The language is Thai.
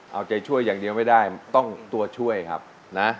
เอาใจช่วยอย่างเดียวไม่ได้ต้องตัวช่วยครับนะ